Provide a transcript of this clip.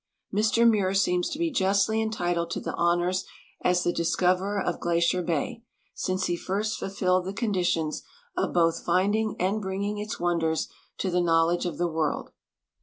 Mr Muir seems to be justly entitled to the honors as the dis coverer of Glacier ba}'', since he first fulfilled the conditions of botli finding and bringing its wonders to the knowledge of the world.